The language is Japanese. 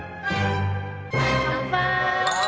乾杯！